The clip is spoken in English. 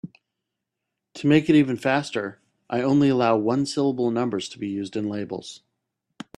To make it even faster, I only allow one-syllable numbers to be used in labels.